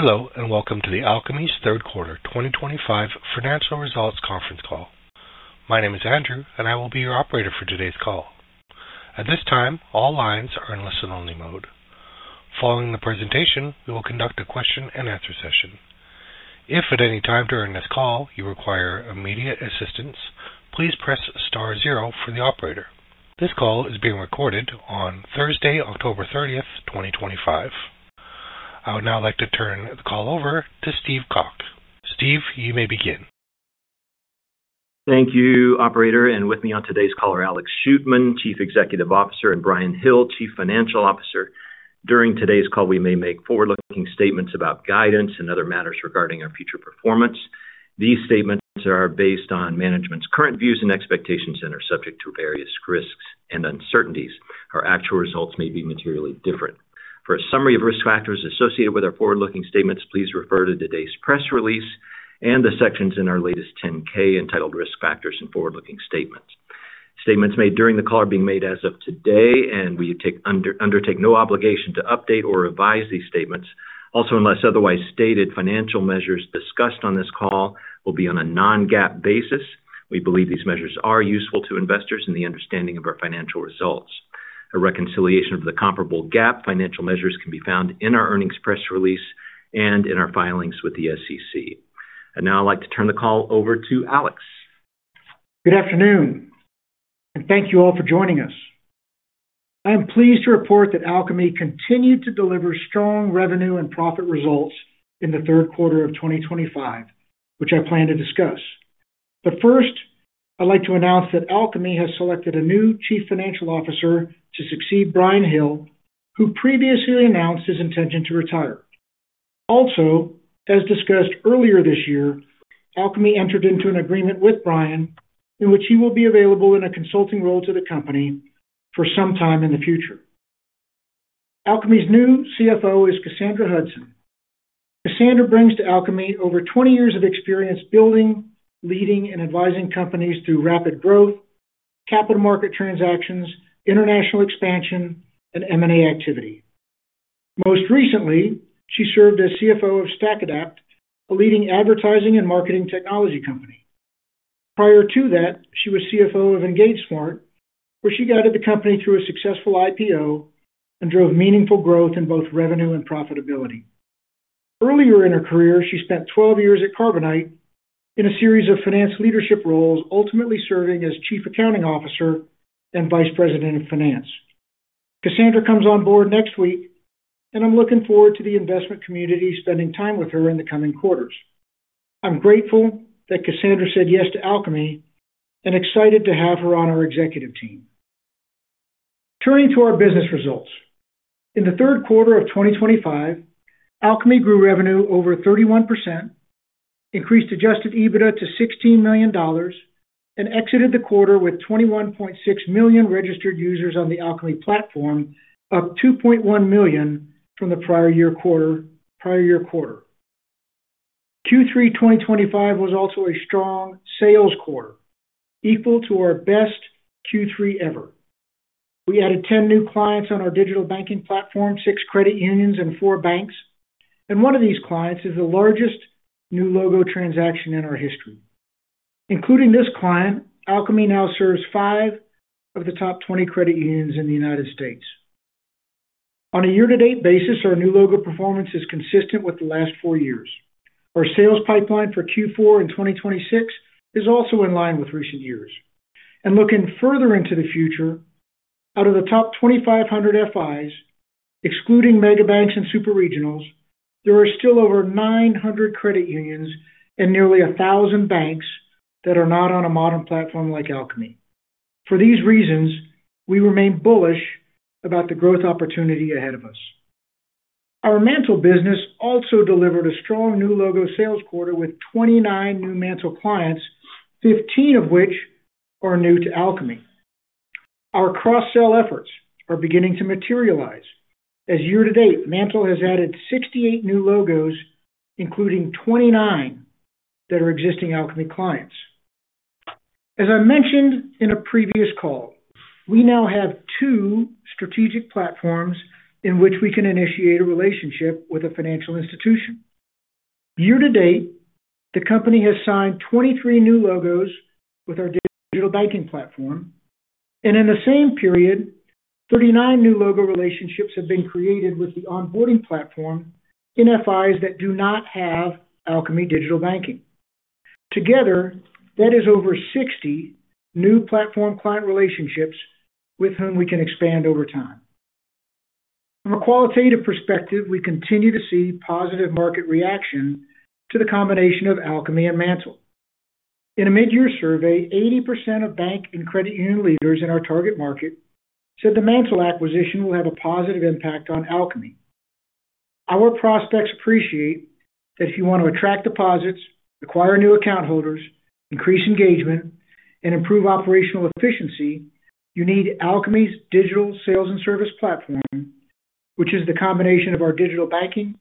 Hello and welcome to Alkami's third quarter 2025 financial results conference call. My name is Andrew, and I will be your operator for today's call. At this time, all lines are in listen-only mode. Following the presentation, we will conduct a question-and-answer session. If at any time during this call you require immediate assistance, please press star zero for the operator. This call is being recorded on Thursday, October 30th, 2025. I would now like to turn the call over to Steve Calk. Steve, you may begin. Thank you, Operator. With me on today's call are Alex Shootman, Chief Executive Officer, and Bryan Hill, Chief Financial Officer. During today's call, we may make forward-looking statements about guidance and other matters regarding our future performance. These statements are based on management's current views and expectations and are subject to various risks and uncertainties. Our actual results may be materially different. For a summary of risk factors associated with our forward-looking statements, please refer to today's press release and the sections in our latest Form 10-K entitled Risk Factors and Forward-Looking Statements. Statements made during the call are being made as of today, and we undertake no obligation to update or revise these statements. Unless otherwise stated, financial measures discussed on this call will be on a non-GAAP basis. We believe these measures are useful to investors in the understanding of our financial results. A reconciliation of the comparable GAAP financial measures can be found in our earnings press release and in our filings with the SEC. I'd like to turn the call over to Alex. Good afternoon. Thank you all for joining us. I am pleased to report that Alkami continued to deliver strong revenue and profit results in the third quarter of 2025, which I plan to discuss. First, I'd like to announce that Alkami has selected a new Chief Financial Officer to succeed Bryan Hill, who previously announced his intention to retire. As discussed earlier this year, Alkami entered into an agreement with Bryan in which he will be available in a consulting role to the company for some time in the future. Alkami's new CFO is Cassandra Hudson. Cassandra brings to Alkami over 20 years of experience building, leading, and advising companies through rapid growth, capital market transactions, international expansion, and M&A activity. Most recently, she served as CFO of StackAdapt, a leading advertising and marketing technology company. Prior to that, she was CFO of EngageSmart, where she guided the company through a successful IPO and drove meaningful growth in both revenue and profitability. Earlier in her career, she spent 12 years at Carbonite in a series of finance leadership roles, ultimately serving as Chief Accounting Officer and Vice President of Finance. Cassandra comes on board next week, and I'm looking forward to the investment community spending time with her in the coming quarters. I'm grateful that Cassandra said yes to Alkami and excited to have her on our executive team. Turning to our business results, in the third quarter of 2025, Alkami grew revenue over 31%, increased adjusted EBITDA to $16 million, and exited the quarter with 21.6 million registered users on the Alkami platform, up 2.1 million from the prior year quarter. Q3 2025 was also a strong sales quarter, equal to our best Q3 ever. We added 10 new clients on our digital banking platform, six credit unions, and four banks. One of these clients is the largest new logo transaction in our history. Including this client, Alkami now serves five of the top 20 credit unions in the United States. On a year-to-date basis, our new logo performance is consistent with the last four years. Our sales pipeline for Q4 and 2026 is also in line with recent years. Looking further into the future, out of the top 2,500 FIs, excluding mega banks and super regionals, there are still over 900 credit unions and nearly 1,000 banks that are not on a modern platform like Alkami. For these reasons, we remain bullish about the growth opportunity ahead of us. Our MANTL business also delivered a strong new logo sales quarter with 29 new MANTL clients, 15 of which are new to Alkami. Our cross-sale efforts are beginning to materialize, as year-to-date, MANTL has added 68 new logos, including 29 that are existing Alkami clients. As I mentioned in a previous call, we now have two strategic platforms in which we can initiate a relationship with a financial institution. Year-to-date, the company has signed 23 new logos with our digital banking platform. In the same period, 39 new logo relationships have been created with the onboarding platform in FIs that do not have Alkami digital banking. Together, that is over 60 new platform client relationships with whom we can expand over time. From a qualitative perspective, we continue to see positive market reaction to the combination of Alkami and MANTL. In a mid-year survey, 80% of bank and credit union leaders in our target market said the MANTL acquisition will have a positive impact on Alkami. Our prospects appreciate that if you want to attract deposits, acquire new account holders, increase engagement, and improve operational efficiency, you need Alkami's digital sales and service platform, which is the combination of our digital banking,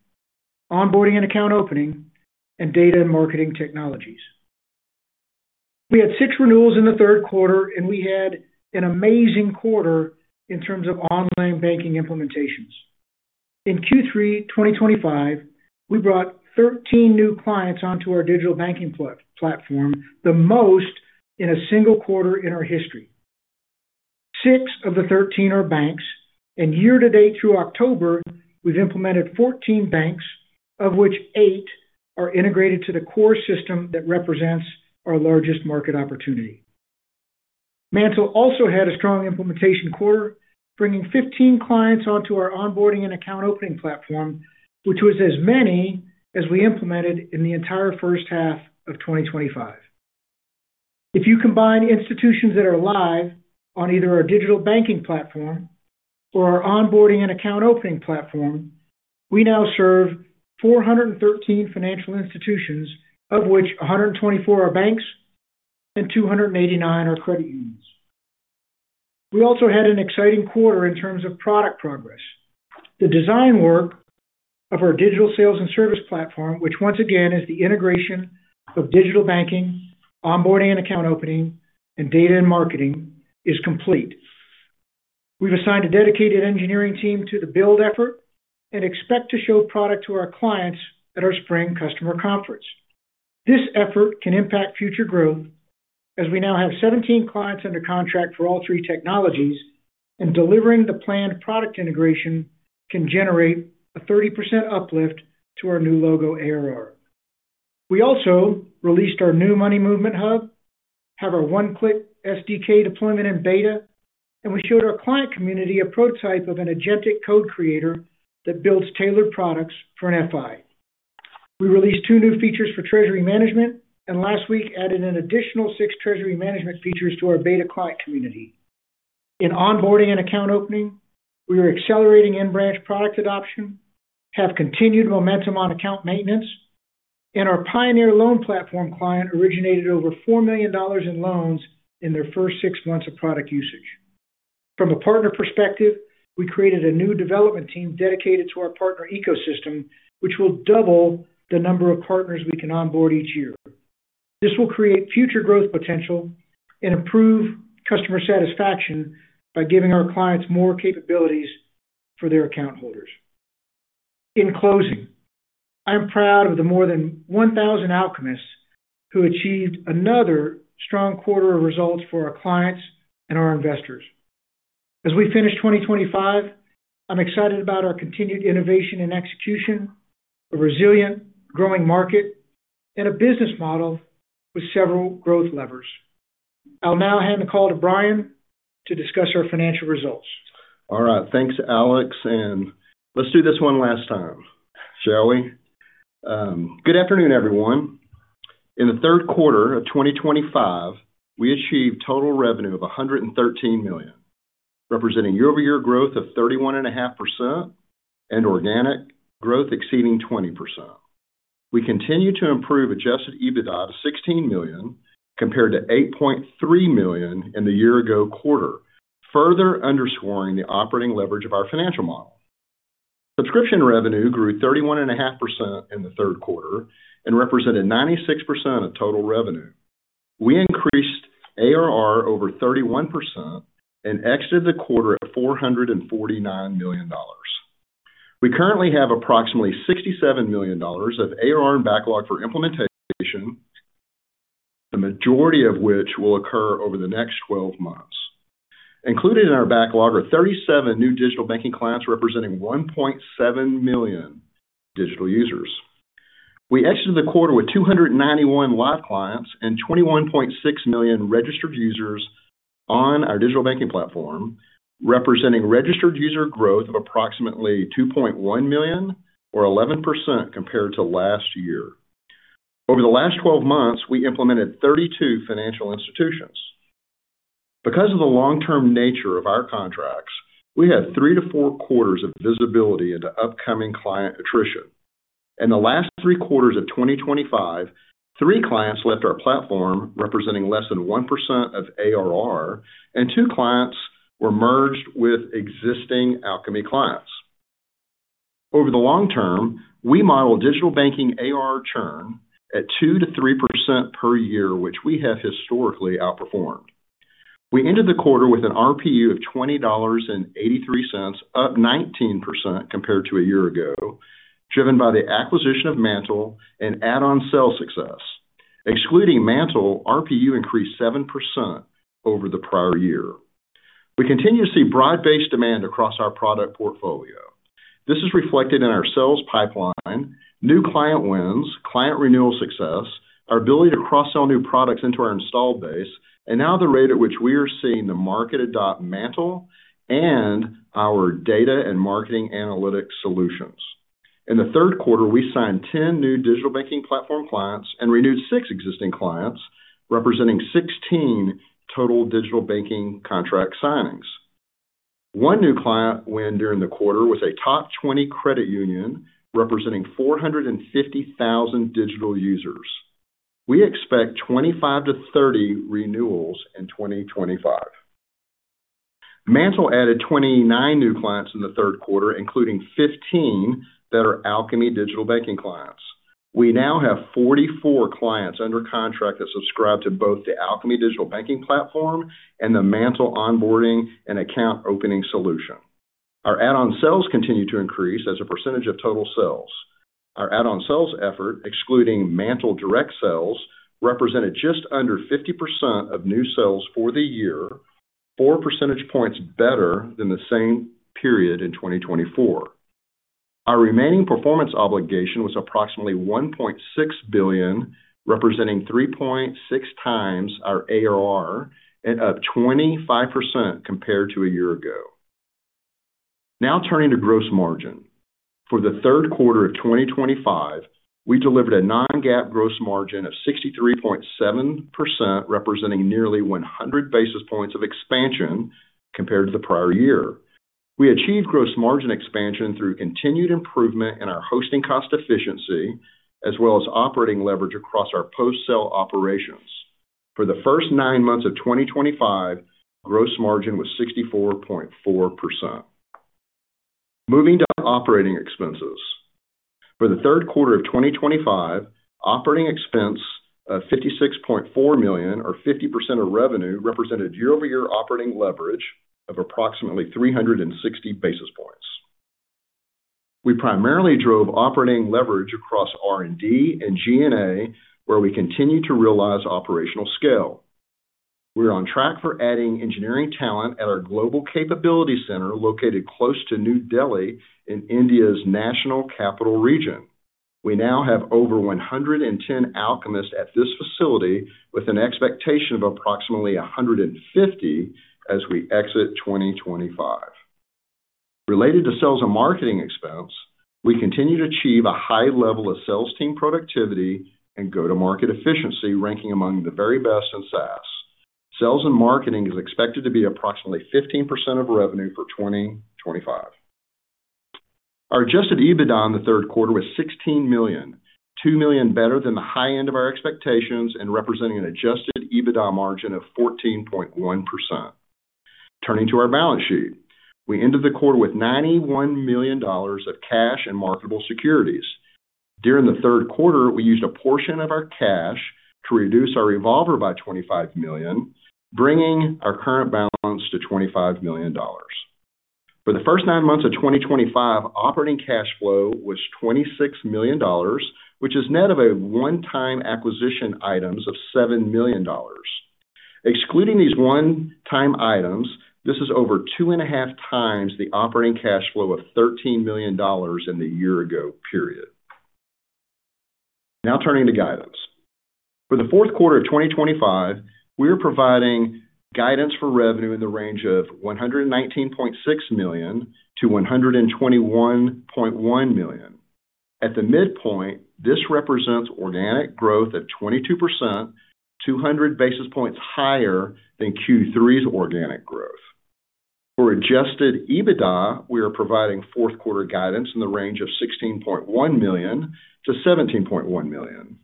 onboarding and account opening, and data and marketing technologies. We had six renewals in the third quarter, and we had an amazing quarter in terms of online banking implementations. In Q3 2025, we brought 13 new clients onto our digital banking platform, the most in a single quarter in our history. Six of the 13 are banks, and year-to-date, through October, we've implemented 14 banks, of which eight are integrated to the core system that represents our largest market opportunity. MANTL also had a strong implementation quarter, bringing 15 clients onto our onboarding and account opening platform, which was as many as we implemented in the entire first half of 2025. If you combine institutions that are live on either our digital banking platform or our onboarding and account opening platform, we now serve 413 financial institutions, of which 124 are banks and 289 are credit unions. We also had an exciting quarter in terms of product progress. The design work of our digital sales and service platform, which once again is the integration of digital banking, onboarding and account opening, and data and marketing, is complete. We've assigned a dedicated engineering team to the build effort and expect to show product to our clients at our spring customer conference. This effort can impact future growth as we now have 17 clients under contract for all three technologies, and delivering the planned product integration can generate a 30% uplift to our new logo ARR. We also released our new money movement hub, have our one-click SDK deployment in Beta, and we showed our client community a prototype of an agentic code creator that builds tailored products for an FI. We released two new features for treasury management, and last week added an additional six treasury management features to our beta client community. In onboarding and account opening, we are accelerating in-branch product adoption, have continued momentum on account maintenance, and our pioneer loan platform client originated over $4 million in loans in their first six months of product usage. From a partner perspective, we created a new development team dedicated to our partner ecosystem, which will double the number of partners we can onboard each year. This will create future growth potential and improve customer satisfaction by giving our clients more capabilities for their account holders. In closing, I am proud of the more than 1,000 Alkamists who achieved another strong quarter of results for our clients and our investors. As we finish 2025, I'm excited about our continued innovation and execution, a resilient, growing market, and a business model with several growth levers. I'll now hand the call to Bryan to discuss our financial results. All right. Thanks, Alex. Let's do this one last time, shall we? Good afternoon, everyone. In the third quarter of 2025, we achieved total revenue of $113 million, representing year-over-year growth of 31.5% and organic growth exceeding 20%. We continue to improve adjusted EBITDA to $16 million, compared to $8.3 million in the year-ago quarter, further underscoring the operating leverage of our financial model. Subscription revenue grew 31.5% in the third quarter and represented 96% of total revenue. We increased ARR over 31% and exited the quarter at $449 million. We currently have approximately $67 million of ARR and backlog for implementation, the majority of which will occur over the next 12 months. Included in our backlog are 37 new digital banking clients representing 1.7 million digital users. We exited the quarter with 291 live clients and 21.6 million registered users on our digital banking platform, representing registered user growth of approximately 2.1 million, or 11% compared to last year. Over the last 12 months, we implemented 32 financial institutions. Because of the long-term nature of our contracts, we had three to four quarters of visibility into upcoming client attrition. In the last three quarters of 2025, three clients left our platform, representing less than 1% of ARR, and two clients were merged with existing Alkami clients. Over the long term, we modeled digital banking ARR churn at 2%-3% per year, which we have historically outperformed. We ended the quarter with an RPU of $20.83, up 19% compared to a year ago, driven by the acquisition of MANTL and add-on sales success. Excluding MANTL, RPU increased 7% over the prior year. We continue to see broad-based demand across our product portfolio. This is reflected in our sales pipeline, new client wins, client renewal success, our ability to cross-sell new products into our installed base, and now the rate at which we are seeing the market adopt MANTL and our data and marketing analytics solutions. In the third quarter, we signed 10 new digital banking platform clients and renewed six existing clients, representing 16 total digital banking contract signings. One new client win during the quarter was a top 20 credit union, representing 450,000 digital users. We expect 25-30 renewals in 2025. MANTL added 29 new clients in the third quarter, including 15 that are Alkami digital banking clients. We now have 44 clients under contract that subscribe to both the Alkami digital banking platform and the MANTL onboarding/account opening solution. Our add-on sales continue to increase as a percentage of total sales. Our add-on sales effort, excluding MANTL direct sales, represented just under 50% of new sales for the year, 4 percentage points better than the same period in 2024. Our remaining performance obligation was approximately $1.6 billion, representing 3.6x our ARR and up 25% compared to a year ago. Now turning to gross margin. For the third quarter of 2025, we delivered a non-GAAP gross margin of 63.7%, representing nearly 100 basis points of expansion compared to the prior year. We achieved gross margin expansion through continued improvement in our hosting cost efficiency, as well as operating leverage across our post-sale operations. For the first nine months of 2025, gross margin was 64.4%. Moving to operating expenses. For the third quarter of 2025, operating expense of $56.4 million, or 50% of revenue, represented year-over-year operating leverage of approximately 360 basis points. We primarily drove operating leverage across R&D and G&A, where we continue to realize operational scale. We're on track for adding engineering talent at our global capability center located close to New Delhi in India's National Capital Region. We now have over 110 Alkamists at this facility, with an expectation of approximately 150 as we exit 2025. Related to sales and marketing expense, we continue to achieve a high level of sales team productivity and go-to-market efficiency, ranking among the very best in SaaS. Sales and marketing is expected to be approximately 15% of revenue for 2025. Our adjusted EBITDA in the third quarter was $16 million, $2 million better than the high end of our expectations and representing an adjusted EBITDA margin of 14.1%. Turning to our balance sheet, we ended the quarter with $91 million of cash and marketable securities. During the third quarter, we used a portion of our cash to reduce our revolver by $25 million, bringing our current balance to $25 million. For the first nine months of 2025, operating cash flow was $26 million, which is net of one-time acquisition items of $7 million. Excluding these one-time items, this is over 2.5x the operating cash flow of $13 million in the year-ago period. Now turning to guidance. For the fourth quarter of 2025, we are providing guidance for revenue in the range of $119.6 million-$121.1 million. At the midpoint, this represents organic growth at 22%, 200 basis points higher than Q3's organic growth. For adjusted EBITDA, we are providing fourth quarter guidance in the range of $16.1 million-$17.1 million.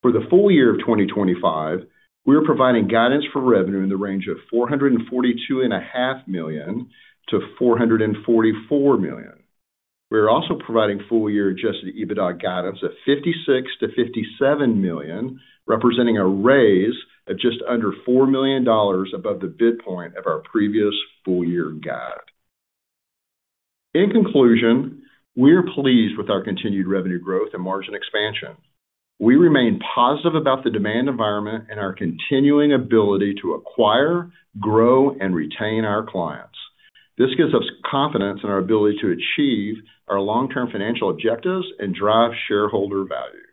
For the full year of 2025, we are providing guidance for revenue in the range of $442.5 million-$444 million. We are also providing full-year adjusted EBITDA guidance of $56 million-$57 million, representing a raise of just under $4 million above the mid point of our previous full-year guide. In conclusion, we are pleased with our continued revenue growth and margin expansion. We remain positive about the demand environment and our continuing ability to acquire, grow, and retain our clients. This gives us confidence in our ability to achieve our long-term financial objectives and drive shareholder value.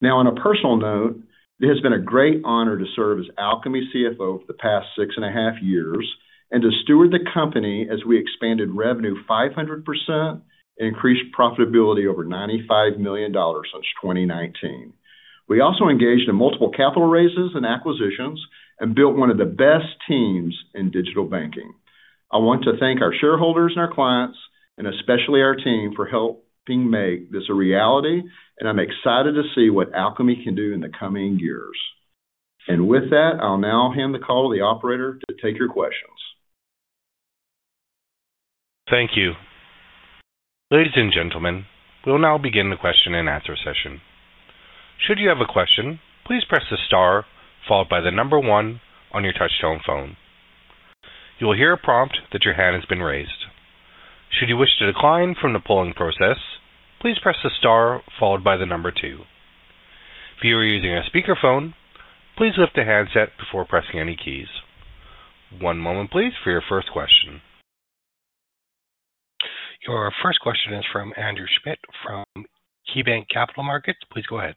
Now, on a personal note, it has been a great honor to serve as Alkami CFO for the past six and a half years and to steward the company as we expanded revenue 500% and increased profitability over $95 million since 2019. We also engaged in multiple capital raises and acquisitions and built one of the best teams in digital banking. I want to thank our shareholders and our clients, and especially our team, for helping make this a reality. I'm excited to see what Alkami can do in the coming years. With that, I'll now hand the call to the operator to take your questions. Thank you. Ladies and gentlemen, we'll now begin the question and answer session. Should you have a question, please press the star followed by the number one on your touch-tone phone. You will hear a prompt that your hand has been raised. Should you wish to decline from the polling process, please press the star followed by the number two. If you are using a speakerphone, please lift the handset before pressing any keys. One moment, please, for your first question. Your first question is from Andrew Schmidt from KeyBanc Capital Markets. Please go ahead.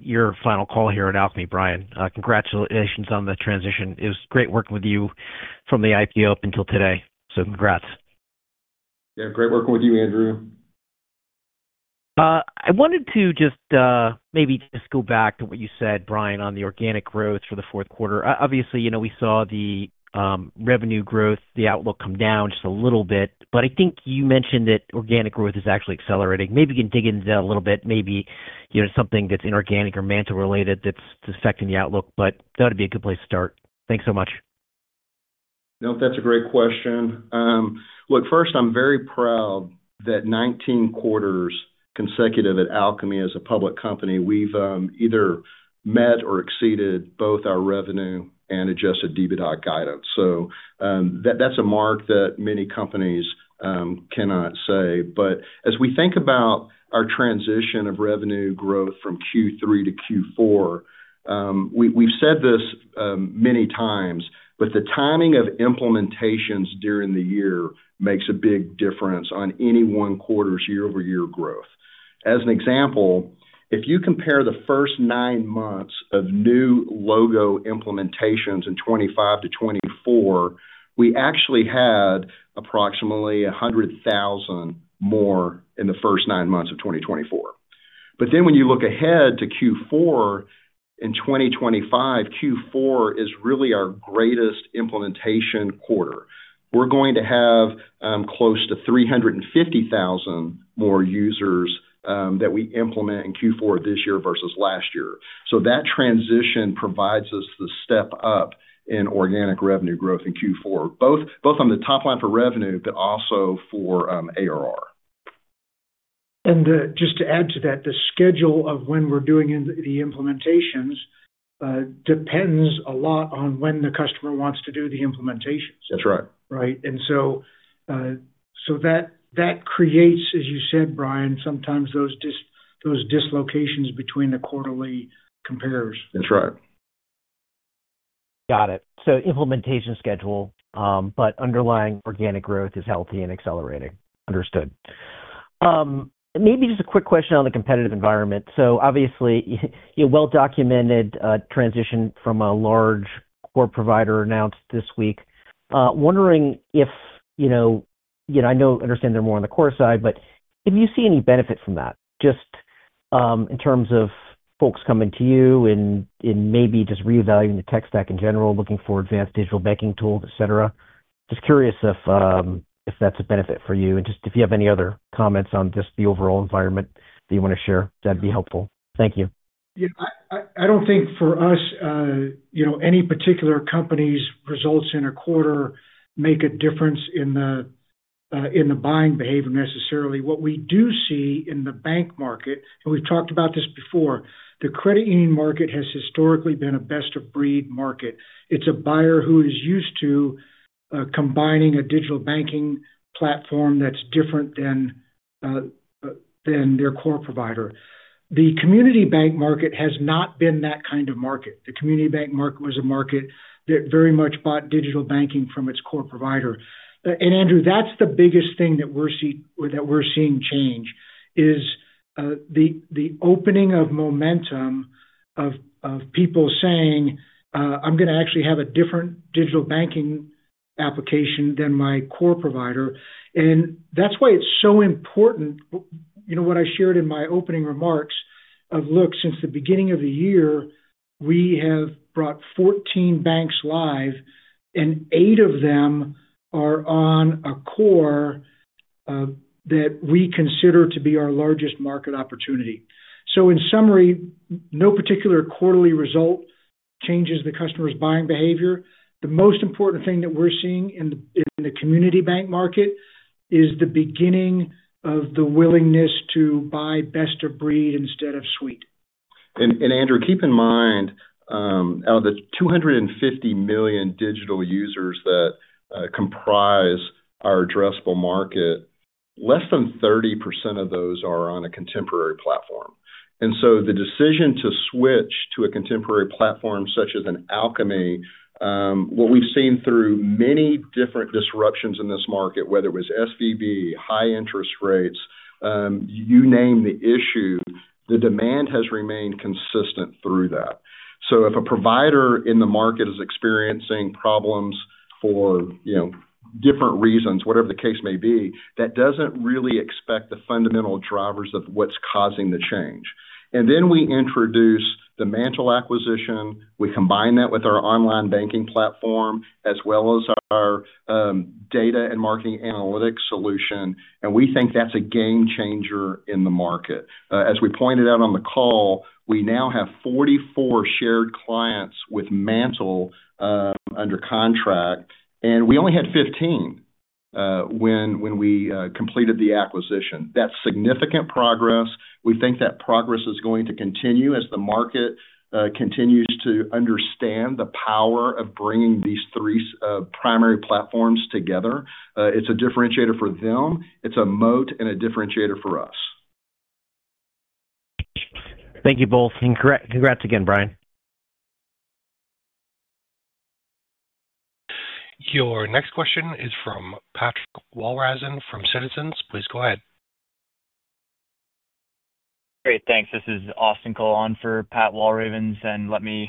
Your final call here at Alkami, Bryan. Congratulations on the transition. It was great working with you from the IPO up until today. Congrats. Yeah, great working with you, Andrew. I wanted to just maybe go back to what you said, Bryan, on the organic growth for the fourth quarter. Obviously, we saw the revenue growth, the outlook come down just a little bit. I think you mentioned that organic growth is actually accelerating. Maybe you can dig into that a little bit, maybe something that's inorganic or MANTL-related that's affecting the outlook. That would be a good place to start. Thanks so much. No, that's a great question. First, I'm very proud that 19 quarters consecutive at Alkami as a public company, we've either met or exceeded both our revenue and adjusted EBITDA guidance. That's a mark that many companies cannot say. As we think about our transition of revenue growth from Q3 to Q4, we've said this many times, but the timing of implementations during the year makes a big difference on any one quarter's year-over-year growth. As an example, if you compare the first nine months of new logo implementations in 2025 to 2024, we actually had approximately 100,000 more in the first nine months of 2024. When you look ahead to Q4, in 2025, Q4 is really our greatest implementation quarter. We're going to have close to 350,000 more users that we implement in Q4 this year versus last year. That transition provides us the step up in organic revenue growth in Q4, both on the top line for revenue, but also for ARR. To add to that, the schedule of when we're doing the implementations depends a lot on when the customer wants to do the implementations. That's right. Right? That creates, as you said, Bryan, sometimes those dislocations between the quarterly compares. That's right. Got it. Implementation schedule, but underlying organic growth is healthy and accelerating. Understood. Maybe just a quick question on the competitive environment. Obviously, a well-documented transition from a large core provider announced this week. Wondering if, I know, understand they're more on the core side, but if you see any benefit from that, just in terms of folks coming to you and maybe just reevaluating the tech stack in general, looking for advanced digital banking tools, et cetera. Just curious if that's a benefit for you. If you have any other comments on the overall environment that you want to share, that'd be helpful. Thank you. Yeah. I don't think for us any particular company's results in a quarter make a difference in the buying behavior necessarily. What we do see in the bank market, and we've talked about this before, the credit union market has historically been a best-of-breed market. It's a buyer who is used to combining a digital banking platform that's different than their core provider. The community bank market has not been that kind of market. The community bank market was a market that very much bought digital banking from its core provider. Andrew, that's the biggest thing that we're seeing change is the opening of momentum of people saying, "I'm going to actually have a different digital banking application than my core provider." That's why it's so important what I shared in my opening remarks of, "Look, since the beginning of the year, we have brought 14 banks live, and eight of them are on a core that we consider to be our largest market opportunity." In summary, no particular quarterly result changes the customer's buying behavior. The most important thing that we're seeing in the community bank market is the beginning of the willingness to buy best-of-breed instead of suite. Andrew, keep in mind, out of the 250 million digital users that comprise our addressable market, less than 30% of those are on a contemporary platform. The decision to switch to a contemporary platform such as Alkami, what we've seen through many different disruptions in this market, whether it was SVB, high interest rates, you name the issue, the demand has remained consistent through that. If a provider in the market is experiencing problems for different reasons, whatever the case may be, that doesn't really affect the fundamental drivers of what's causing the change. We introduce the MANTL acquisition, combine that with our digital banking platform as well as our data and marketing analytics solution, and we think that's a game changer in the market. As we pointed out on the call, we now have 44 shared clients with MANTL under contract, and we only had 15 when we completed the acquisition. That's significant progress. We think that progress is going to continue as the market continues to understand the power of bringing these three primary platforms together. It's a differentiator for them. It's a moat and a differentiator for us. Thank you both, and congrats again, Bryan. Your next question is from Pat Walravens from Citizens. Please go ahead. Great. Thanks. This is Austin Cole on for Pat Walravens. Let me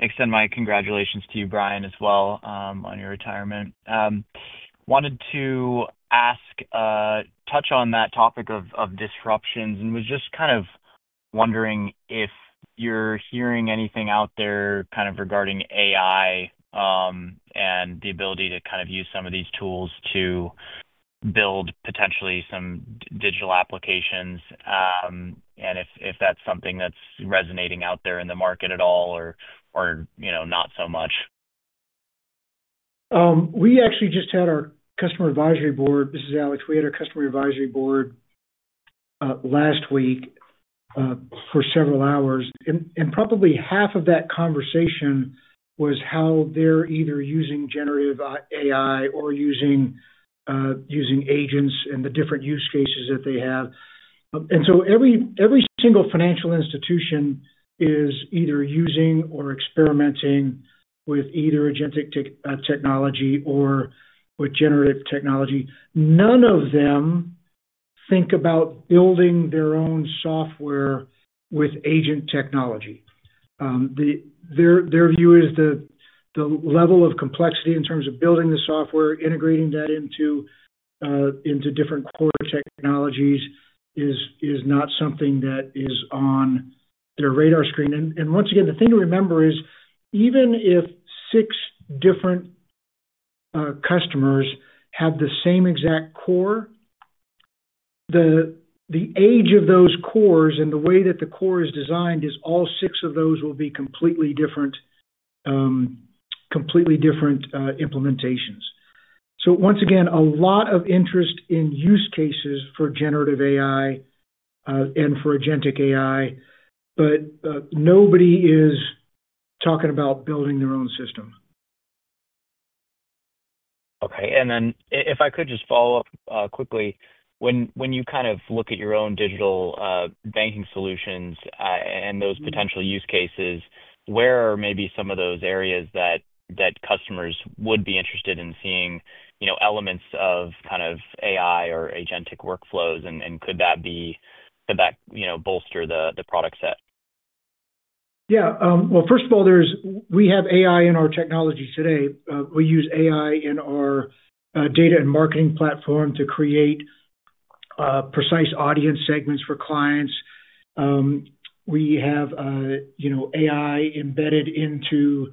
extend my congratulations to you, Bryan, as well on your retirement. I wanted to ask, touch on that topic of disruptions, and was just kind of wondering if you're hearing anything out there regarding AI and the ability to use some of these tools to build potentially some digital applications. Is that something that's resonating out there in the market at all or not so much? We actually just had our customer advisory board. This is Alex. We had our customer advisory board last week for several hours, and probably half of that conversation was how they're either using generative AI or using agents and the different use cases that they have. Every single financial institution is either using or experimenting with either agentic technology or with generative technology. None of them think about building their own software with agent technology. Their view is the level of complexity in terms of building the software, integrating that into different core technologies is not something that is on their radar screen. The thing to remember is even if six different customers have the same exact core, the age of those cores and the way that the core is designed is all six of those will be completely different implementations. There is a lot of interest in use cases for generative AI and for agentic AI, but nobody is talking about building their own system. Okay. If I could just follow up quickly, when you kind of look at your own digital banking solutions and those potential use cases, where are maybe some of those areas that customers would be interested in seeing elements of kind of AI or agentic workflows? Could that bolster the product set? Yeah. First of all, we have AI in our technology today. We use AI in our data and marketing products to create precise audience segments for clients. We have AI embedded into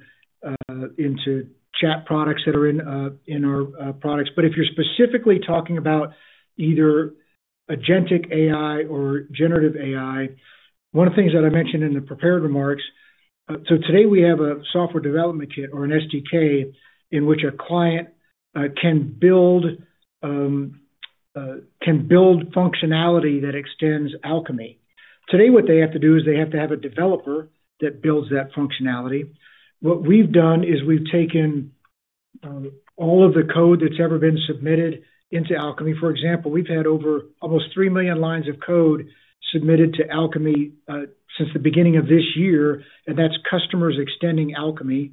chat products that are in our products. If you're specifically talking about either agentic AI or generative AI, one of the things that I mentioned in the prepared remarks is that today we have a software development kit or an SDK in which a client can build functionality that extends Alkami. Today, what they have to do is they have to have a developer that builds that functionality. What we've done is we've taken all of the code that's ever been submitted into Alkami. For example, we've had over almost 3 million lines of code submitted to Alkami since the beginning of this year, and that's customers extending Alkami.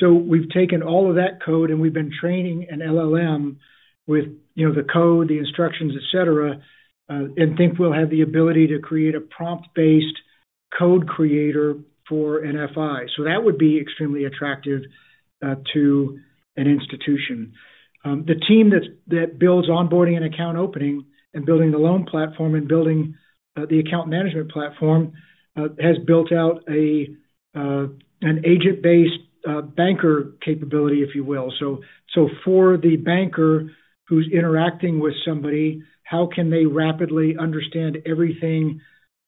We've taken all of that code and we've been training an LLM with the code, the instructions, et cetera, and think we'll have the ability to create a prompt-based code creator for NFI. That would be extremely attractive to an institution. The team that builds onboarding/account opening and building the loan platform and building the account management platform has built out an agent-based banker capability, if you will. For the banker who's interacting with somebody, how can they rapidly understand everything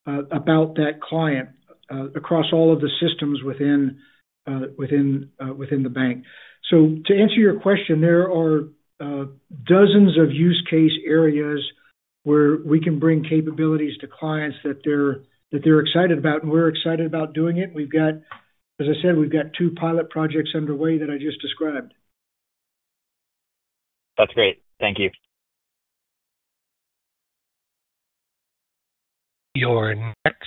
about that client across all of the systems within the bank? To answer your question, there are dozens of use case areas where we can bring capabilities to clients that they're excited about, and we're excited about doing it. As I said, we've got two pilot projects underway that I just described. That's great. Thank you. Your next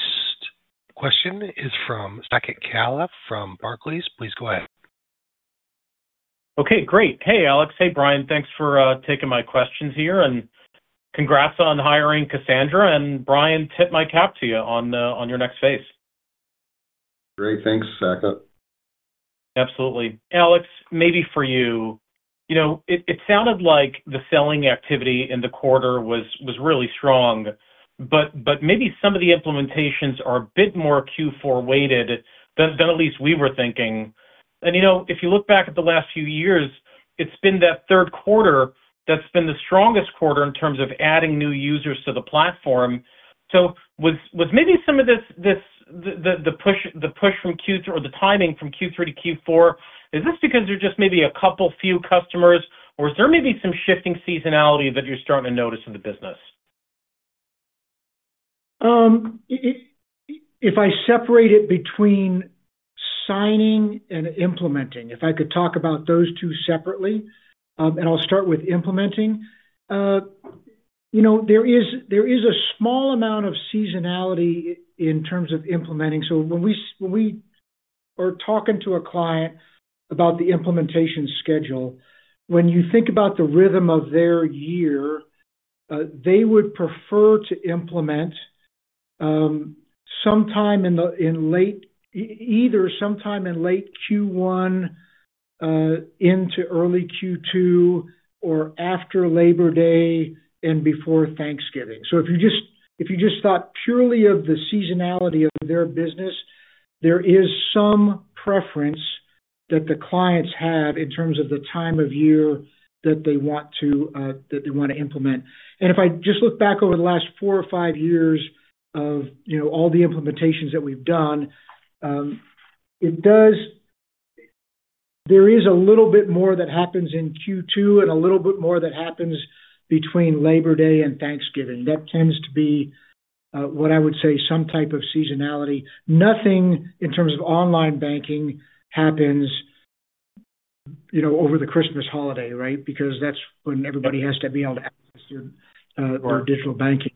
question is from Saket Kalia at Barclays. Please go ahead. Okay. Great. Hey, Alex. Hey, Bryan. Thanks for taking my questions here. Congrats on hiring Cassandra. Bryan, tip my cap to you on your next phase. Great. Thanks, Saket. Absolutely. Alex, maybe for you. It sounded like the selling activity in the quarter was really strong, but maybe some of the implementations are a bit more Q4-weighted than at least we were thinking. If you look back at the last few years, it's been that third quarter that's been the strongest quarter in terms of adding new users to the platform. Was maybe some of the push from Q3 or the timing from Q3 to Q4 because there's just maybe a couple, few customers, or is there maybe some shifting seasonality that you're starting to notice in the business? If I separate it between signing and implementing, if I could talk about those two separately, I'll start with implementing. There is a small amount of seasonality in terms of implementing. When we are talking to a client about the implementation schedule, when you think about the rhythm of their year, they would prefer to implement sometime in late Q1 into early Q2, or after Labor Day and before Thanksgiving. If you just thought purely of the seasonality of their business, there is some preference that the clients have in terms of the time of year that they want to implement. If I just look back over the last four or five years of all the implementations that we've done, there is a little bit more that happens in Q2 and a little bit more that happens between Labor Day and Thanksgiving. That tends to be what I would say is some type of seasonality. Nothing in terms of online banking happens over the Christmas holiday, right? That's when everybody has to be able to access their digital banking.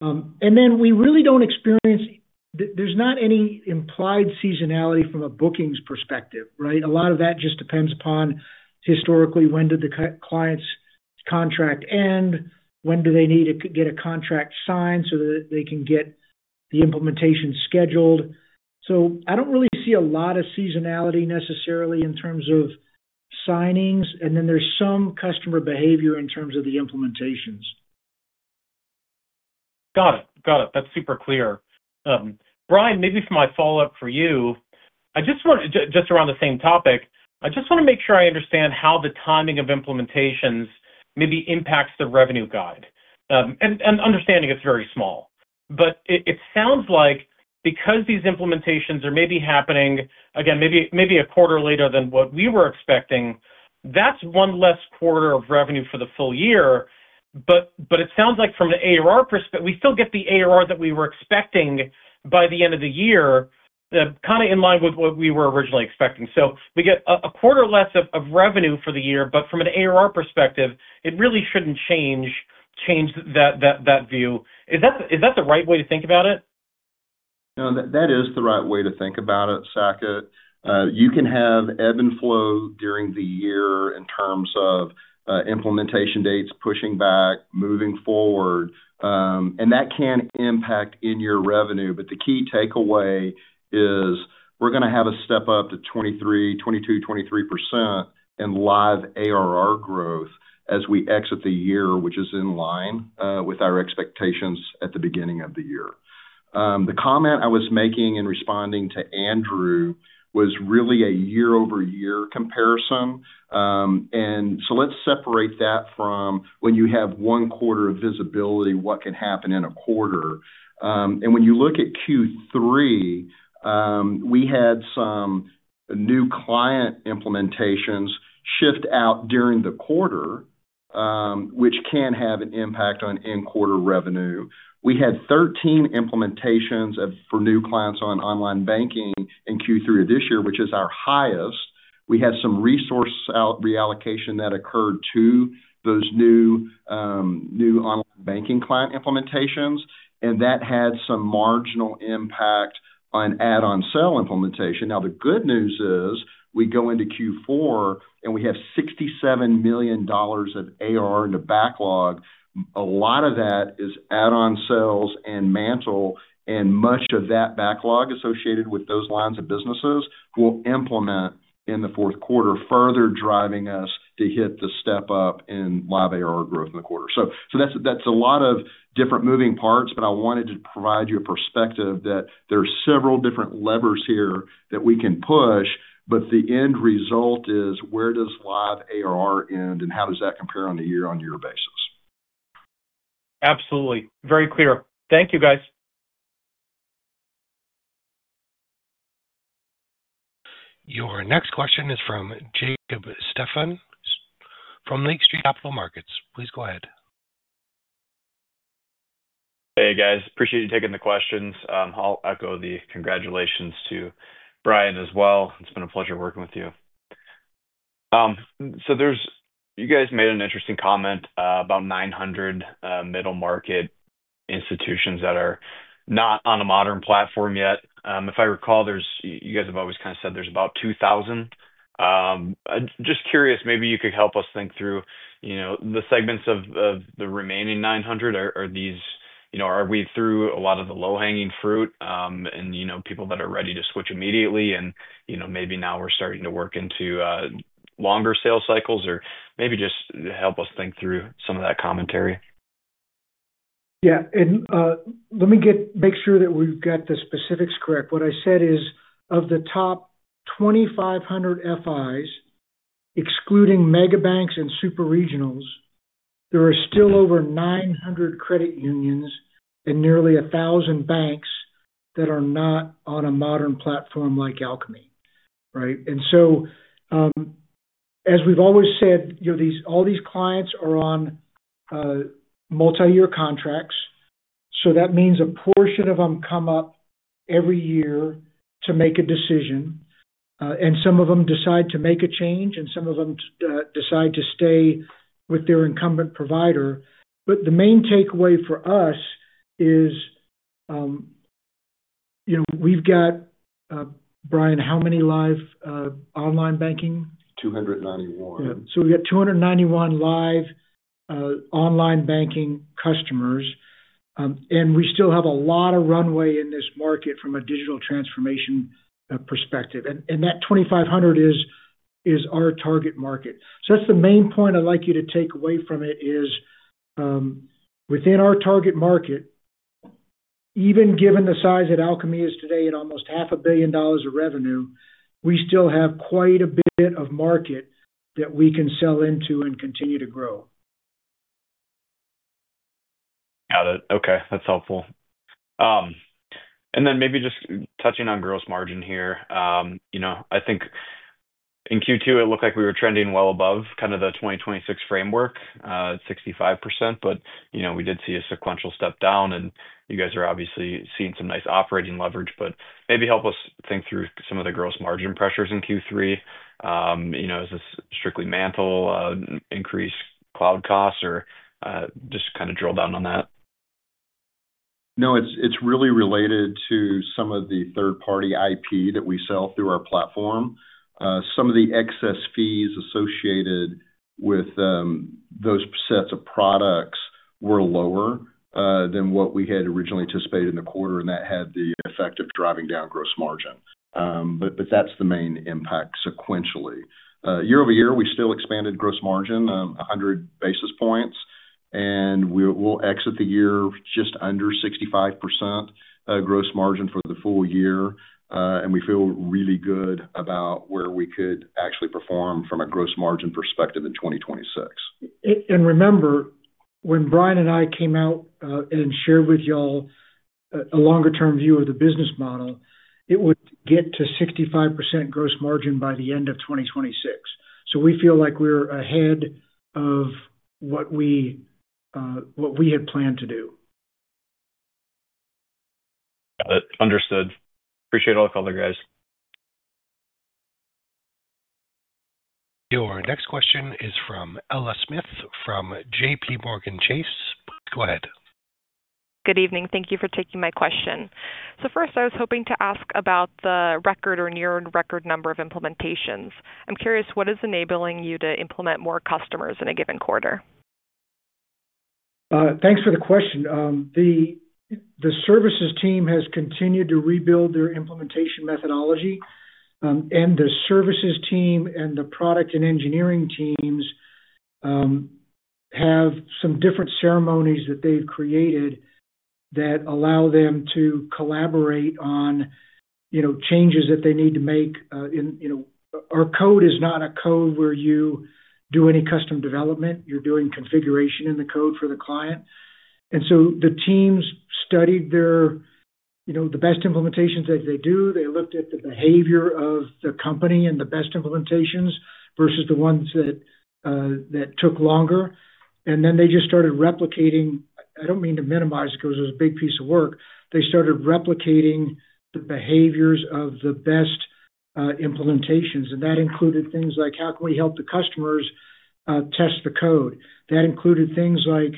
We really don't experience any implied seasonality from a bookings perspective, right? A lot of that just depends upon historically when did the client's contract end, when do they need to get a contract signed so that they can get the implementation scheduled. I don't really see a lot of seasonality necessarily in terms of signings. There's some customer behavior in terms of the implementations. Got it. That's super clear. Bryan, maybe for my follow-up for you, I just want to—just around the same topic—I just want to make sure I understand how the timing of implementations maybe impacts the revenue guide. It's very small. It sounds like because these implementations are maybe happening, again, maybe a quarter later than what we were expecting, that's one less quarter of revenue for the full year. It sounds like from an ARR perspective, we still get the ARR that we were expecting by the end of the year, kind of in line with what we were originally expecting. We get a quarter less of revenue for the year. From an ARR perspective, it really shouldn't change that view. Is that the right way to think about it? No, that is the right way to think about it, Saket. You can have ebb and flow during the year in terms of implementation dates, pushing back, moving forward. That can impact your revenue. The key takeaway is we're going to have a step up to 22%-23% in live ARR growth as we exit the year, which is in line with our expectations at the beginning of the year. The comment I was making in responding to Andrew was really a year-over-year comparison. Let's separate that from when you have one quarter of visibility, what can happen in a quarter. When you look at Q3, we had some new client implementations shift out during the quarter, which can have an impact on end-quarter revenue. We had 13 implementations for new clients on online banking in Q3 of this year, which is our highest. We had some resource reallocation that occurred to those new online banking client implementations, and that had some marginal impact on add-on sale implementation. The good news is we go into Q4 and we have $67 million of ARR in the backlog. A lot of that is add-on sales and MANTL, and much of that backlog associated with those lines of businesses will implement in the fourth quarter, further driving us to hit the step up in live ARR growth in the quarter. That's a lot of different moving parts, but I wanted to provide you a perspective that there are several different levers here that we can push. The end result is where does live ARR end and how does that compare on a year-on-year basis? Absolutely. Very clear. Thank you, guys. Your next question is from Jacob Stephan from Lake Street Capital Markets. Please go ahead. Hey, guys. Appreciate you taking the questions. I'll echo the congratulations to Bryan as well. It's been a pleasure working with you. You made an interesting comment about 900 middle-market institutions that are not on a modern platform yet. If I recall, you have always kind of said there's about 2,000. Just curious, maybe you could help us think through the segments of the remaining 900. Are we through a lot of the low-hanging fruit and people that are ready to switch immediately? Maybe now we're starting to work into longer sales cycles? Maybe just help us think through some of that commentary. Yeah. Let me make sure that we've got the specifics correct. What I said is of the top 2,500 FIs, excluding mega banks and super regionals, there are still over 900 credit unions and nearly 1,000 banks that are not on a modern platform like Alkami, right? As we've always said, all these clients are on multi-year contracts. That means a portion of them come up every year to make a decision. Some of them decide to make a change, and some of them decide to stay with their incumbent provider. The main takeaway for us is we've got, Bryan, how many live online banking? 291. Yeah. We've got 291 live online banking customers, and we still have a lot of runway in this market from a digital transformation perspective. That 2,500 is our target market. The main point I'd like you to take away from it is, within our target market, even given the size that Alkami is today at almost $0.5 billion of revenue, we still have quite a bit of market that we can sell into and continue to grow. Got it. Okay. That's helpful. Maybe just touching on gross margin here. I think in Q2, it looked like we were trending well above kind of the 2026 framework, 65%. We did see a sequential step down, and you guys are obviously seeing some nice operating leverage. Maybe help us think through some of the gross margin pressures in Q3. Is this strictly MANTL, increased cloud costs, or just kind of drill down on that? No, it's really related to some of the third-party IP that we sell through our platform. Some of the excess fees associated with those sets of products were lower than what we had originally anticipated in the quarter, and that had the effect of driving down gross margin. That's the main impact sequentially. Year-over-year, we still expanded gross margin 100 basis points. We'll exit the year just under 65% gross margin for the full year. We feel really good about where we could actually perform from a gross margin perspective in 2026. Remember, when Bryan and I came out and shared with y'all a longer-term view of the business model, it would get to 65% gross margin by the end of 2026. We feel like we're ahead of what we had planned to do. Got it. Understood. Appreciate all the color, guys. Your next question is from Ella Smith from JPMorgan. Go ahead. Good evening. Thank you for taking my question. First, I was hoping to ask about the record or near record number of implementations. I'm curious, what is enabling you to implement more customers in a given quarter? Thanks for the question. The services team has continued to rebuild their implementation methodology. The services team and the product and engineering teams have some different ceremonies that they've created that allow them to collaborate on changes that they need to make. Our code is not a code where you do any custom development. You're doing configuration in the code for the client. The teams studied their best implementations that they do. They looked at the behavior of the company and the best implementations versus the ones that took longer. They just started replicating—I don't mean to minimize it because it was a big piece of work—they started replicating the behaviors of the best implementations. That included things like, how can we help the customers test the code? That included things like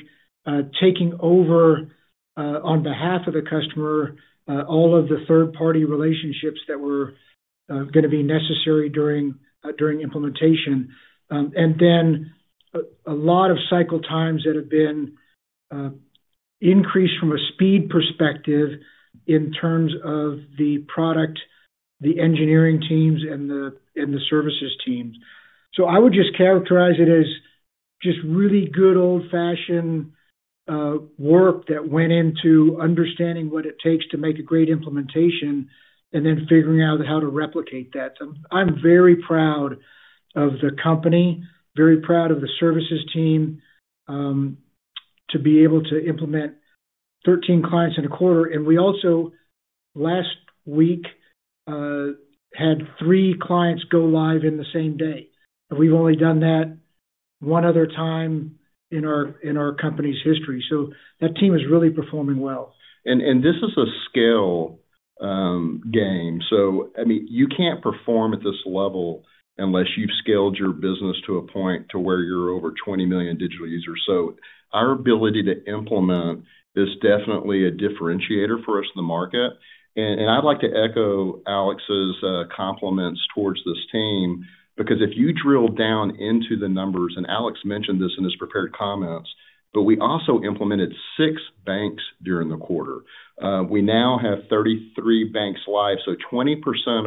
taking over on behalf of the customer all of the third-party relationships that were going to be necessary during implementation. A lot of cycle times have been increased from a speed perspective in terms of the product, the engineering teams, and the services teams. I would just characterize it as just really good old-fashioned work that went into understanding what it takes to make a great implementation and then figuring out how to replicate that. I'm very proud of the company, very proud of the services team to be able to implement 13 clients in a quarter. We also, last week, had three clients go live in the same day. We've only done that one other time in our company's history. That team is really performing well. This is a scale game. You can't perform at this level unless you've scaled your business to a point where you're over 20 million digital users. Our ability to implement is definitely a differentiator for us in the market. I'd like to echo Alex's compliments towards this team because if you drill down into the numbers, and Alex mentioned this in his prepared comments, we also implemented six banks during the quarter. We now have 33 banks live. 20%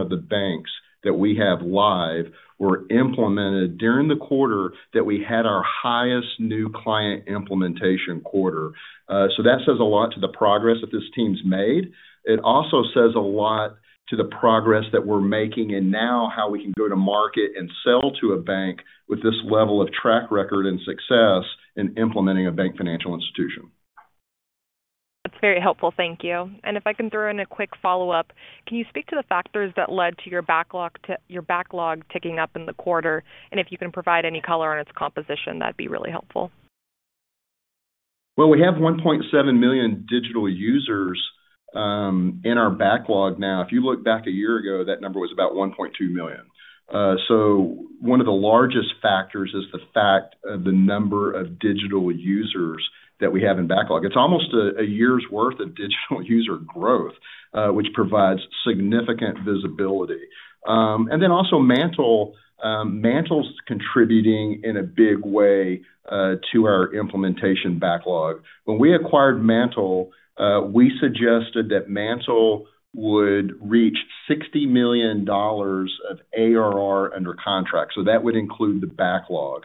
of the banks that we have live were implemented during the quarter that we had our highest new client implementation quarter. That says a lot to the progress that this team's made. It also says a lot to the progress that we're making and now how we can go to market and sell to a bank with this level of track record and success in implementing a bank financial institution. That's very helpful. Thank you. If I can throw in a quick follow-up, can you speak to the factors that led to your backlog ticking up in the quarter? If you can provide any color on its composition, that'd be really helpful. We have 1.7 million digital users in our backlog now. If you look back a year ago, that number was about 1.2 million. One of the largest factors is the number of digital users that we have in backlog. It's almost a year's worth of digital user growth, which provides significant visibility. MANTL is contributing in a big way to our implementation backlog. When we acquired MANTL, we suggested that MANTL would reach $60 million of ARR under contract. That would include the backlog.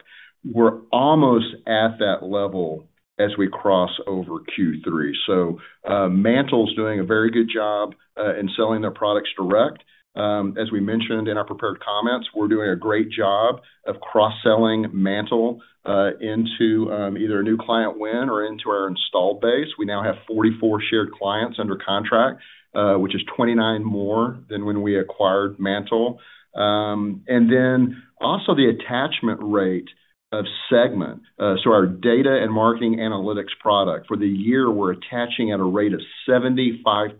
We're almost at that level as we cross over Q3. MANTL's doing a very good job in selling their products direct. As we mentioned in our prepared comments, we're doing a great job of cross-selling MANTL into either a new client win or into our installed base. We now have 44 shared clients under contract, which is 29 more than when we acquired MANTL. The attachment rate of segment, our data and marketing analytics product, for the year, we're attaching at a rate of 75%.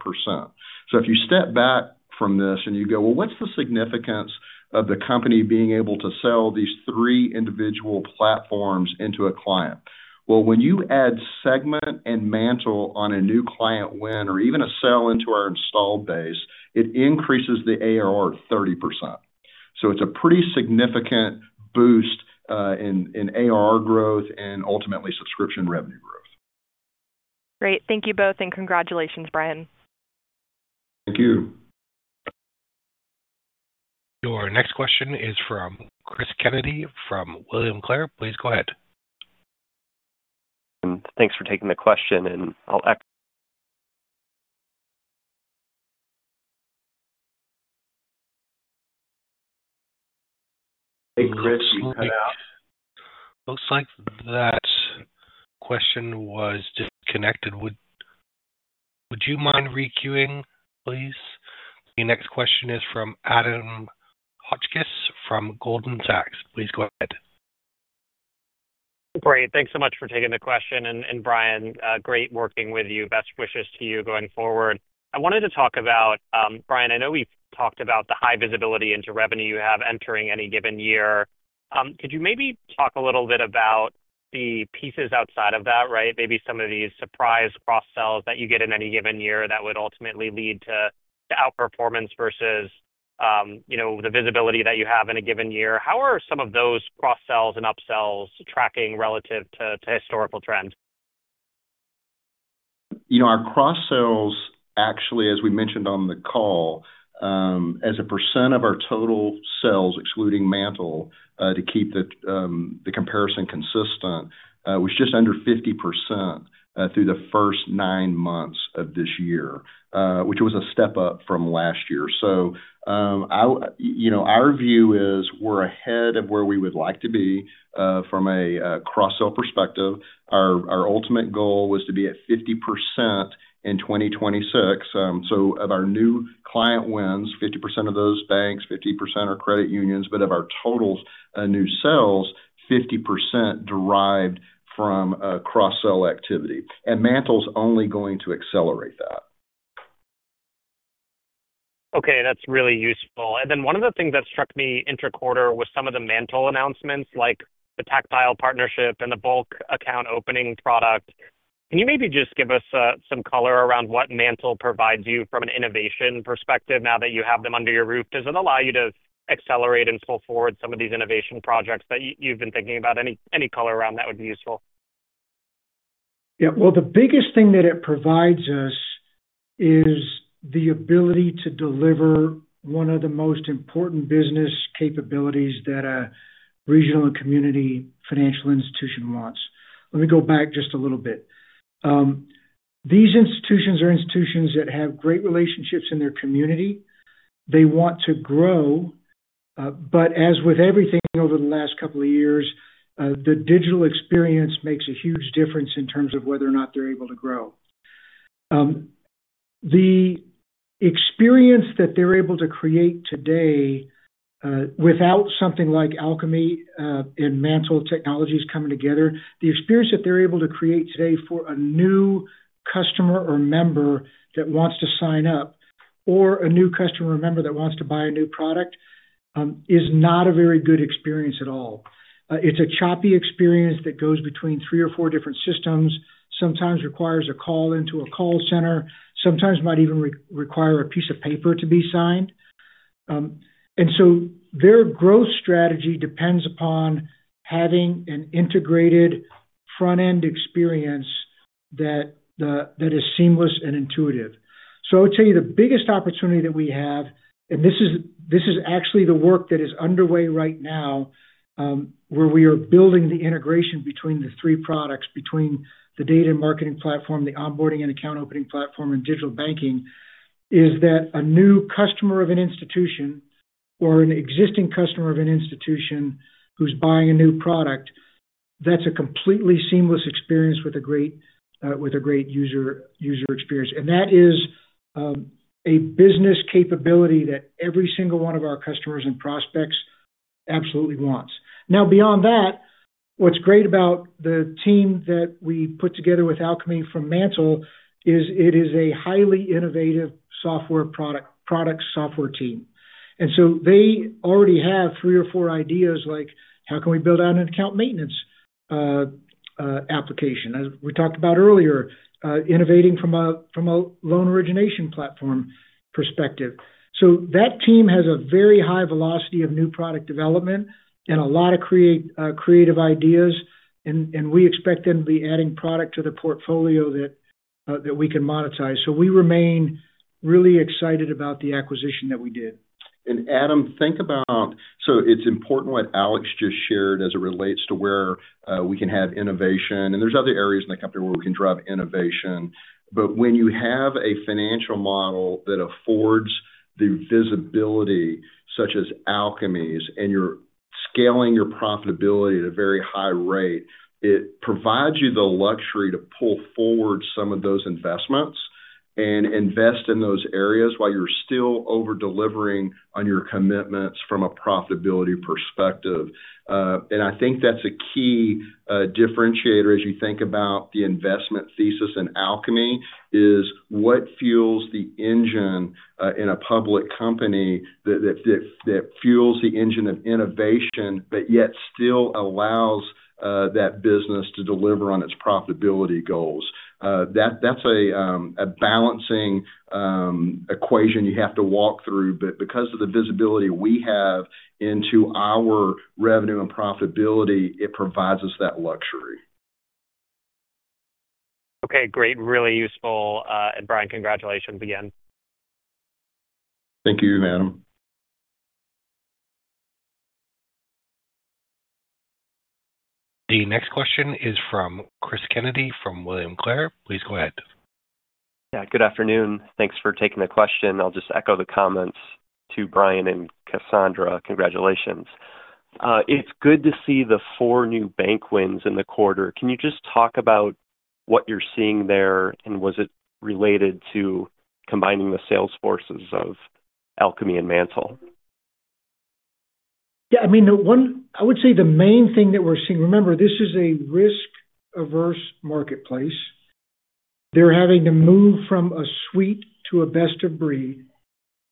If you step back from this and you go, "What's the significance of the company being able to sell these three individual platforms into a client?" When you add segment and MANTL on a new client win or even a sell into our installed base, it increases the ARR 30%. It's a pretty significant boost in ARR growth and ultimately subscription revenue growth. Great. Thank you both, and congratulations, Bryan. Thank you. Your next question is from Cris Kennedy from William Blair. Please go ahead. Thanks for taking the question, and I'll echo it. Hey, Chris, you cut out. Looks like that question was disconnected. Would you mind re-queuing, please? The next question is from Adam Hotchkiss from Goldman Sachs. Please go ahead. Great. Thanks so much for taking the question. Bryan, great working with you. Best wishes to you going forward. I wanted to talk about, Bryan, I know we've talked about the high visibility into revenue you have entering any given year. Could you maybe talk a little bit about the pieces outside of that, right? Maybe some of these surprise cross-sells that you get in any given year that would ultimately lead to outperformance versus the visibility that you have in a given year. How are some of those cross-sells and upsells tracking relative to historical trends? Our cross-sells, actually, as we mentioned on the call, as a percent of our total sells, excluding MANTL to keep the comparison consistent, was just under 50% through the first nine months of this year, which was a step up from last year. Our view is we're ahead of where we would like to be from a cross-sell perspective. Our ultimate goal was to be at 50% in 2026. Of our new client wins, 50% of those banks, 50% are credit unions. Of our total new sales, 50% derived from cross-sell activity. MANTL's only going to accelerate that. Okay. That's really useful. One of the things that struck me intra-quarter was some of the MANTL announcements, like the Taktile partnership and the bulk account opening product. Can you maybe just give us some color around what MANTL provides you from an innovation perspective now that you have them under your roof? Does it allow you to accelerate and pull forward some of these innovation projects that you've been thinking about? Any color around that would be useful. Yeah. The biggest thing that it provides us is the ability to deliver one of the most important business capabilities that a regional and community financial institution wants. Let me go back just a little bit. These institutions are institutions that have great relationships in their community. They want to grow. As with everything over the last couple of years, the digital experience makes a huge difference in terms of whether or not they're able to grow. The experience that they're able to create today, without something like Alkami and MANTL technologies coming together, the experience that they're able to create today for a new customer or member that wants to sign up or a new customer member that wants to buy a new product is not a very good experience at all. It's a choppy experience that goes between three or four different systems, sometimes requires a call into a call center, sometimes might even require a piece of paper to be signed. Their growth strategy depends upon having an integrated front-end experience that is seamless and intuitive. I would tell you the biggest opportunity that we have, and this is actually the work that is underway right now, where we are building the integration between the three products, between the data and marketing platform, the onboarding/account opening platform, and digital banking, is that a new customer of an institution or an existing customer of an institution who's buying a new product, that's a completely seamless experience with a great user experience. That is a business capability that every single one of our customers and prospects absolutely wants. Now, beyond that, what's great about the team that we put together with Alkami from MANTL is it is a highly innovative software product software team. They already have three or four ideas like, "How can we build out an account maintenance application?" As we talked about earlier, innovating from a loan origination platform perspective. That team has a very high velocity of new product development and a lot of creative ideas. We expect them to be adding product to the portfolio that we can monetize. We remain really excited about the acquisition that we did. Adam, think about—it's important what Alex just shared as it relates to where we can have innovation. There are other areas in the company where we can drive innovation. When you have a financial model that affords the visibility, such as Alkami's, and you're scaling your profitability at a very high rate, it provides you the luxury to pull forward some of those investments and invest in those areas while you're still over-delivering on your commitments from a profitability perspective. I think that's a key differentiator as you think about the investment thesis in Alkami. It's what fuels the engine in a public company that fuels the engine of innovation but yet still allows that business to deliver on its profitability goals. That's a balancing equation you have to walk through. Because of the visibility we have into our revenue and profitability, it provides us that luxury. Okay. Great. Really useful. Bryan, congratulations again. Thank you, Adam. The next question is from Cris Kennedy from William Blair. Please go ahead. Good afternoon. Thanks for taking the question. I'll just echo the comments to Bryan and Cassandra. Congratulations. It's good to see the four new bank wins in the quarter. Can you talk about what you're seeing there, and was it related to combining the sales forces of Alkami and MANTL? Yeah. I mean, I would say the main thing that we're seeing, remember, this is a risk-averse marketplace. They're having to move from a suite to a best-of-breed,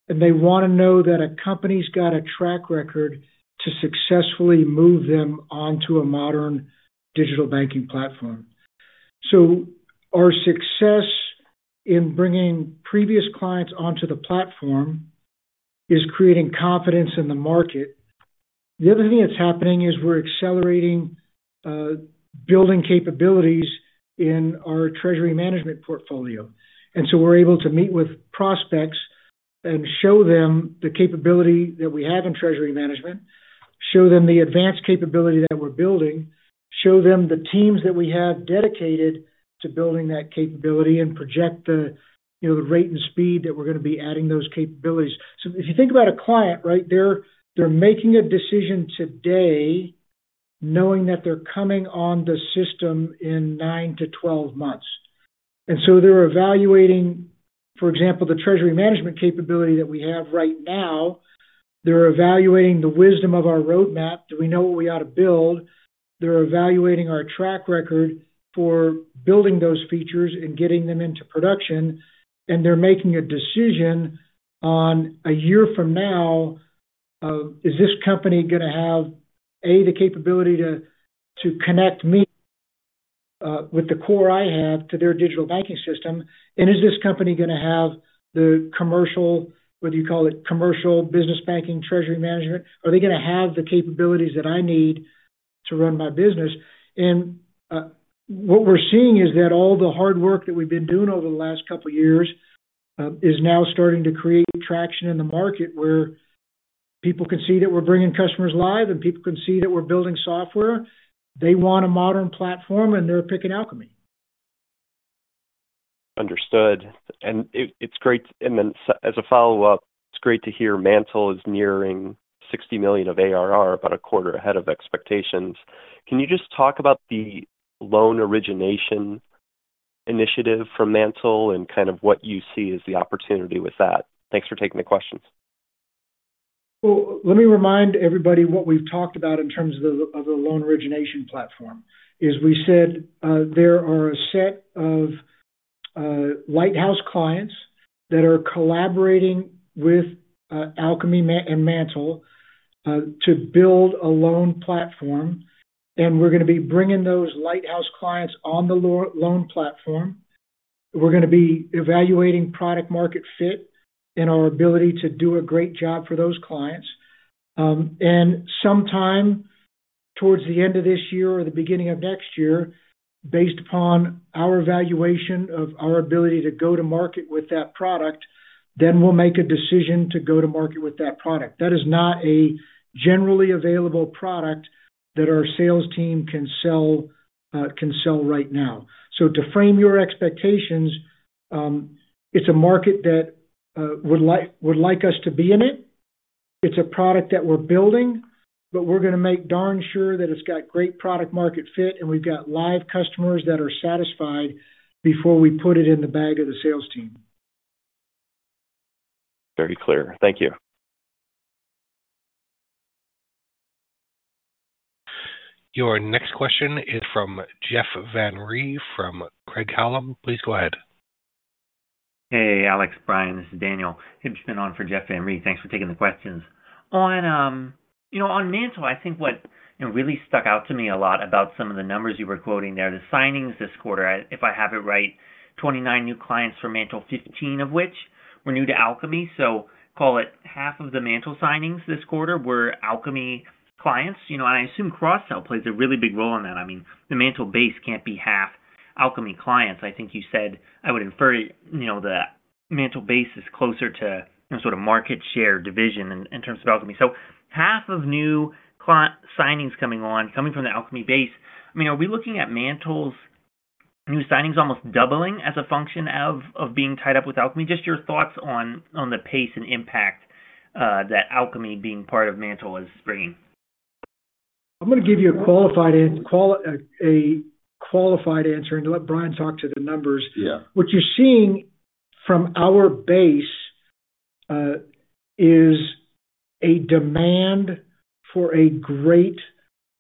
and they want to know that a company's got a track record to successfully move them onto a modern digital banking platform. Our success in bringing previous clients onto the platform is creating confidence in the market. The other thing that's happening is we're accelerating building capabilities in our treasury management portfolio, and we're able to meet with prospects and show them the capability that we have in treasury management, show them the advanced capability that we're building, show them the teams that we have dedicated to building that capability, and project the rate and speed that we're going to be adding those capabilities. If you think about a client, right, they're making a decision today knowing that they're coming on the system in nine to 12 months, and they're evaluating, for example, the treasury management capability that we have right now. They're evaluating the wisdom of our roadmap. Do we know what we ought to build? They're evaluating our track record for building those features and getting them into production, and they're making a decision on a year from now. "Is this company going to have, A, the capability to connect me with the core I have to their digital banking system? Is this company going to have the commercial, whether you call it commercial, business banking, treasury management? Are they going to have the capabilities that I need to run my business?" What we're seeing is that all the hard work that we've been doing over the last couple of years is now starting to create traction in the market where people can see that we're bringing customers live and people can see that we're building software. They want a modern platform, and they're picking Alkami. Understood. As a follow-up, it's great to hear MANTL is nearing $60 million of ARR, about a quarter ahead of expectations. Can you just talk about the loan origination initiative from MANTL and what you see as the opportunity with that? Thanks for taking the questions. Let me remind everybody what we've talked about in terms of the loan origination platform. We said there are a set of lighthouse clients that are collaborating with Alkami and MANTL to build a loan platform. We're going to be bringing those lighthouse clients on the loan platform. We're going to be evaluating product-market fit and our ability to do a great job for those clients. Sometime towards the end of this year or the beginning of next year, based upon our evaluation of our ability to go to market with that product, we'll make a decision to go to market with that product. That is not a generally available product that our sales team can sell right now. To frame your expectations, it's a market that would like us to be in it. It's a product that we're building, but we're going to make darn sure that it's got great product-market fit, and we've got live customers that are satisfied before we put it in the bag of the sales team. Very clear. Thank you. Your next question is from Jeff Van Rhee from Craig Hallum. Please go ahead. Hey, Alex, Bryan, this is Daniel. I've just been on for Jeff Van Rhee. Thanks for taking the questions. On MANTL, I think what really stuck out to me a lot about some of the numbers you were quoting there, the signings this quarter, if I have it right, 29 new clients for MANTL, 15 of which were new to Alkami. Call it half of the MANTL signings this quarter were Alkami clients. I assume cross-sell plays a really big role in that. The MANTL base can't be half Alkami clients. I think you said I would infer the MANTL base is closer to sort of market share division in terms of Alkami. Half of new signings coming on, coming from the Alkami base. Are we looking at MANTL's new signings almost doubling as a function of being tied up with Alkami? Just your thoughts on the pace and impact that Alkami being part of MANTL is bringing. I'm going to give you a qualified answer and let Bryan talk to the numbers. What you're seeing from our base is a demand for a great,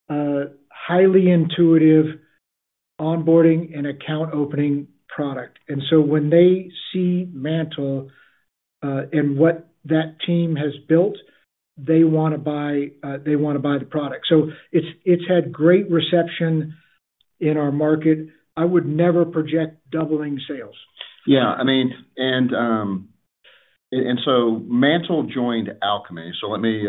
highly intuitive onboarding and account opening product. When they see MANTL and what that team has built, they want to buy the product. It's had great reception in our market. I would never project doubling sales. Yeah. MANTL joined Alkami. Let me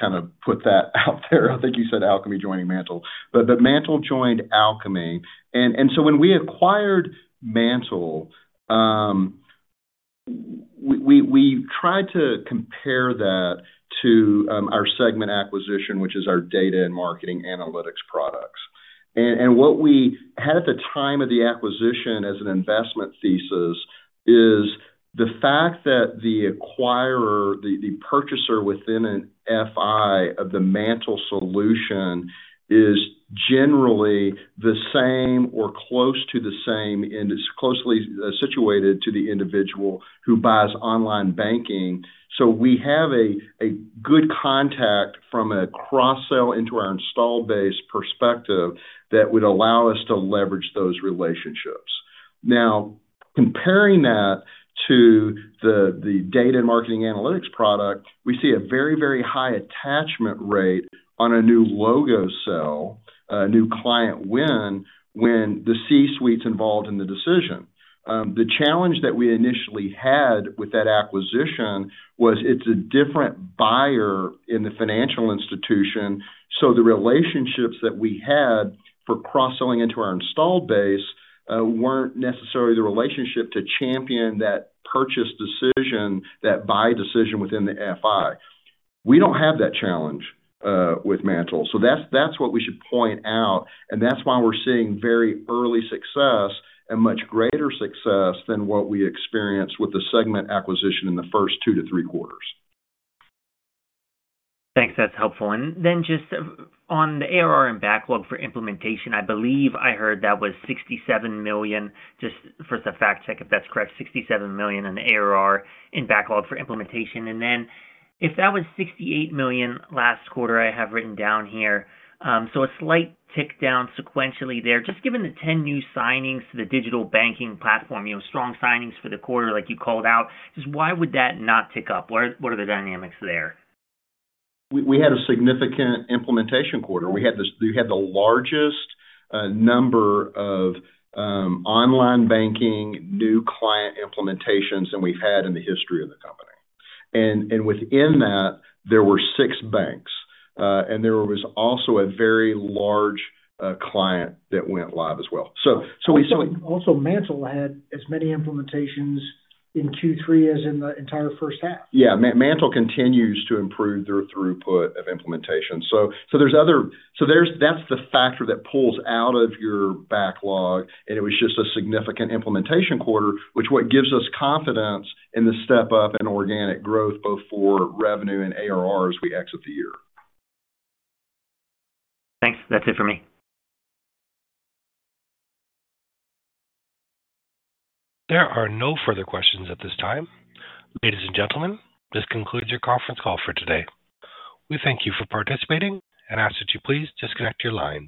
kind of put that out there. I think you said Alkami joining MANTL, but MANTL joined Alkami. When we acquired MANTL, we tried to compare that to our segment acquisition, which is our data and marketing analytics products. What we had at the time of the acquisition as an investment thesis is the fact that the acquirer, the purchaser within an FI of the MANTL solution, is generally the same or close to the same and is closely situated to the individual who buys online banking. We have a good contact from a cross-sell into our install base perspective that would allow us to leverage those relationships. Now, comparing that to the data and marketing analytics product, we see a very, very high attachment rate on a new logo sale, a new client win, when the C-suite's involved in the decision. The challenge that we initially had with that acquisition was it's a different buyer in the financial institution. The relationships that we had for cross-selling into our install base weren't necessarily the relationship to champion that purchase decision, that buy decision within the FI. We don't have that challenge with MANTL. That's what we should point out. That's why we're seeing very early success and much greater success than what we experienced with the segment acquisition in the first two to three quarters. Thanks. That's helpful. Just on the ARR and backlog for implementation, I believe I heard that was $67 million, just for the fact-check if that's correct, $67 million in ARR and backlog for implementation. If that was $68 million last quarter, I have written down here, so a slight tick down sequentially there. Given the 10 new signings to the digital banking platform, strong signings for the quarter, like you called out, why would that not tick up? What are the dynamics there? We had a significant implementation quarter. We had the largest number of online banking new client implementations than we've had in the history of the company. Within that, there were six banks, and there was also a very large client that went live as well. Also, MANTL had as many implementations in Q3 as in the entire first half. Yeah. MANTL continues to improve their throughput of implementation. That is the factor that pulls out of your backlog. It was just a significant implementation quarter, which is what gives us confidence in the step-up and organic growth both for revenue and ARR as we exit the year. Thanks. That's it for me. There are no further questions at this time. Ladies and gentlemen, this concludes your conference call for today. We thank you for participating and ask that you please disconnect your lines.